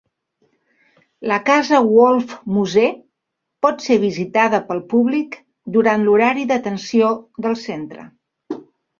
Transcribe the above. La casa Wolff-Moser pot ser visitada pel públic durant l'horari d'atenció del centre.